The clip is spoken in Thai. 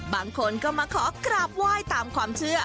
บางคนก็มาขอกราบไหว้ตามความเชื่อ